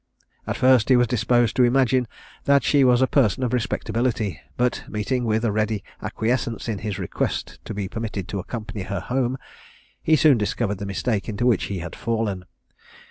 At first, he was disposed to imagine that she was a person of respectability, but, meeting with a ready acquiescence in his request to be permitted to accompany her home, he soon discovered the mistake into which he had fallen.